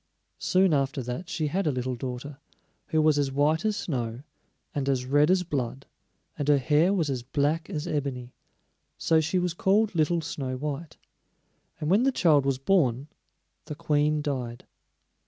Soon after that she had a little daughter, who was as white as snow, and as red as blood, and her hair was as black as ebony; so she was called Little Snow white. And when the child was born, the Queen died.